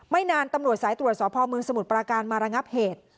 ไม่นานตำรวจสายตรวจสอบพ่อเมืองสมุทรปราการมาระงับเหตุ